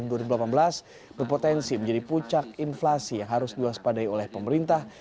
kondisi kondisi intensif menjadi pucat inflasi yang harus diwaspadai oleh pemerintah